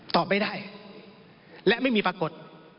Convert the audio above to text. ตอบไม่ได้และไม่มีปรากฏ